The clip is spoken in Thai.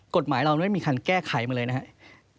กฎหมายเราไม่มีคันแก้ไขมาเลยนะครับ